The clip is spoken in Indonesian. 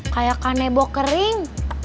kaya kanebo kering